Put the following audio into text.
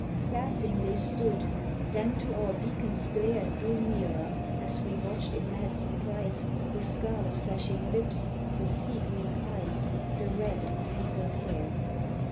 54 "THE SWIMMERS Laughing they stood, then to our beacon's glare Drew nearer, as we watched in mad surprise The scarlet flashing lips, the sea green eyes. The red and tangled hair.